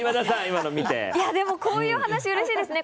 こういう話うれしいですね。